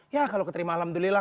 ya kalau keterima alhamdulillah